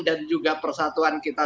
dan juga persatuan kita